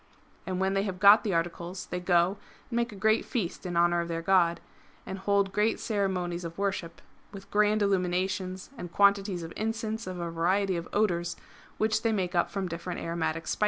And when they have got the articles they go and make a great feast in honour of their god, and hold great ceremonies of worship with grand illuminations and quantities of incense of a variety of odours, which they make up from different aromatic spices.